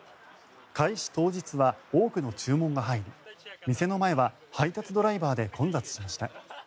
開始当日は多くの注文が入り店の前は配達ドライバーで混雑しました。